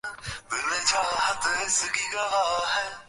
তিনি তার জয়কে মজবুত করতে অনেক সময় ব্যয় করেছেন।